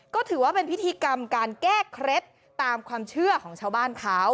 ก็ถือว่าเป็นพิธีกรรมการแก้เคล็ดตามความเชื่อของชาวบ้านเขา